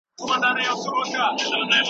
طبیعي علوم مادي پدیدې مطالعه کوي.